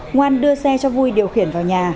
ngoan đưa xe cho vui điều khiển vào nhà